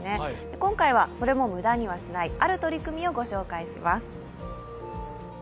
今回はそれも無駄にはしないある取り組みを御紹介します。